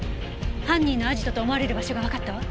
犯人のアジトと思われる場所がわかったわ。